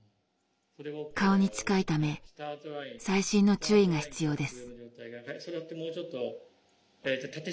顔に近いため細心の注意が必要です。